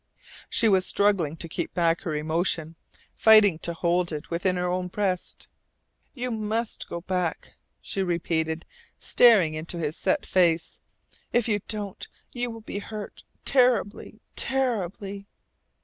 She was struggling to keep back her emotion, fighting to hold it within her own breast. "You must go back," she repeated, staring into his set face. "If you don't, you will be hurt terribly, terribly!"